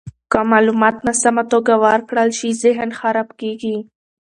که معلومات ناسمه توګه ورکړل شي، ذهن خراب کیږي.